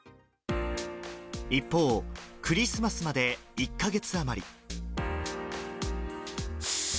一方、クリスマスまで１か月余り。